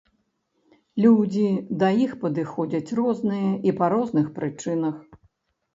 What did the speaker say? Людзі да іх падыходзяць розныя і па розных прычынах.